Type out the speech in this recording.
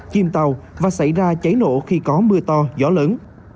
chìm tàu và xảy ra cháy nổ khi có mưa to gió lớn